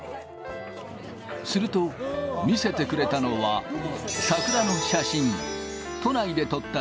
すると、見せてくれたのは、桜の写真。